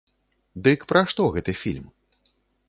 Дык пра што гэты фільм?